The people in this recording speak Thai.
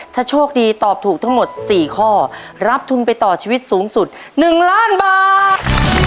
ถ้าโชคดีตอบถูกทั้งหมด๔ข้อรับทุนไปต่อชีวิตสูงสุด๑ล้านบาท